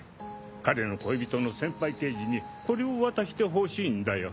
彼の恋人の先輩刑事にこれを渡してほしいんだよ。